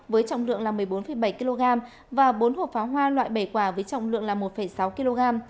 với trọng lượng là một mươi bốn bảy kg và bốn hộp pháo hoa loại bảy quả với trọng lượng là một sáu kg